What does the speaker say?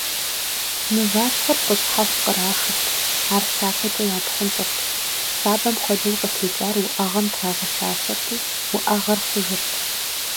Мыващхъуэр къущхьэхъу кърахырт, ар сапэкӀэ ятхъунщӀырт, сабэм хуэдэу къытекӀар уӀэгъэм трагъэщащэрти, уӀэгъэр хъужырт.